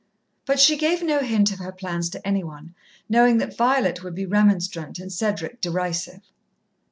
But she gave no hint of her plans to any one, knowing that Violet would be remonstrant and Cedric derisive.